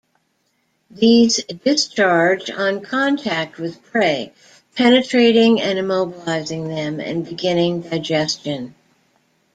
These discharge on contact with prey, penetrating and immobilizing them, and beginning digestion.